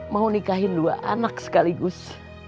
mau nikahin dua anak sekaligus